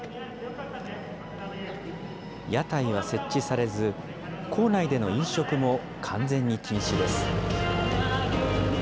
屋台は設置されず、構内での飲食も完全に禁止です。